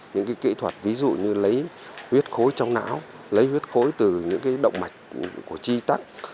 những kỹ thuật ví dụ như lấy huyết khối trong não lấy huyết khối từ những động mạch của chi tắc